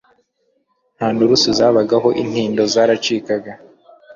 nta nturusu zabagaho, intindo zaracikaga